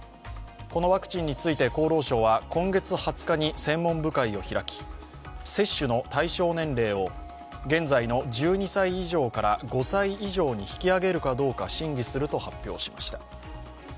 このワクチンについて、厚労省は今月２０日に専門部会を開き接種の対象年齢を現在の１２歳以上から５歳以上に引き上げるかどうか審議すると発表しました。